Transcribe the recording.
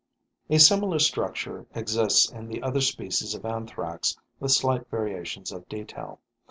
A similar structure exists in the other species of Anthrax with slight variations of detail.